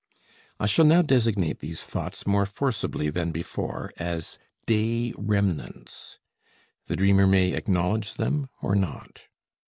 I shall now designate these thoughts more forcibly than before as "day remnants"; the dreamer may acknowledge them or not.